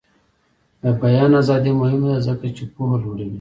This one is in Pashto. د بیان ازادي مهمه ده ځکه چې پوهه لوړوي.